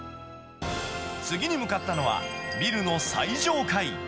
次に向かったのは、ビルの最上階。